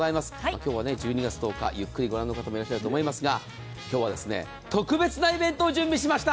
今日は１２月１０日、ゆっくりご覧の方もいらっしゃると思いますが今日は特別なイベントを準備しました。